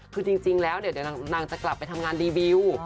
คือจริงแล้วเดี๋ยวนางจะกลับไปทำงานรีวิว